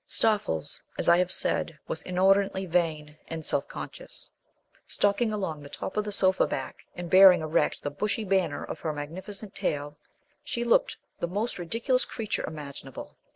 Stoffles, as I have said, was inordinately vain and self conscious. Stalking along the top of the sofa back and bearing erect the bushy banner of her magnificent tail, she looked the most ridiculous creature imaginable.